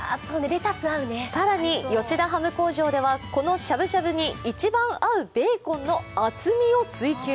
更に吉田ハム工場では、このしゃぶしゃぶに一番合うベーコンの厚みを追求。